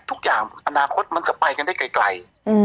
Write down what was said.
ทุกอย่างอนาคตมันก็ไปกันได้ไกล